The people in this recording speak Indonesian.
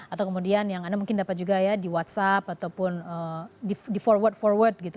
atau kemudian yang anda mungkin dapat juga ya di whatsapp ataupun di forward forward gitu